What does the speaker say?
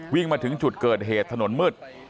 วิ่งมาถึงจุดเกิดเหตุถนนมืด